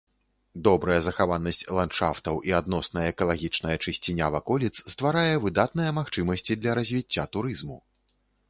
Добрая захаванасць ландшафтаў і адносная экалагічная чысціня ваколіц стварае выдатныя магчымасці для развіцця турызму.